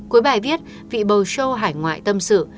cuối bài viết vị bầu sô hải ngoại tâm sự